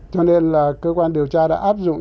cho nên là cơ quan điều tra đã áp dụng